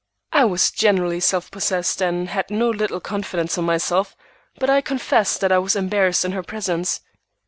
I was generally self possessed and had no little confidence in myself, but I confess that I was embarrassed in her presence.